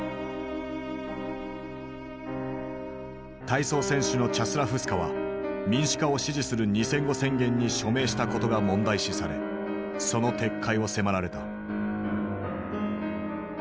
体操選手のチャスラフスカは民主化を支持する「二千語宣言」に署名したことが問題視されその撤回を迫られた。